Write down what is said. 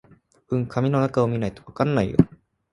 うん、紙の中を見ないとわからないよ